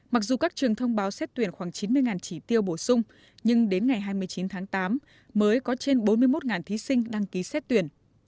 mặc dù các trường thông báo xét tuyển khoảng chín mươi chỉ tiêu bổ sung nhưng đến ngày hai mươi chín tháng tám mới có trên bốn mươi một thí sinh đăng ký xét tuyển